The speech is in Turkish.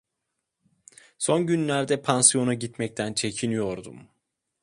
Son günlerde pansiyona gitmekten çekiniyordum.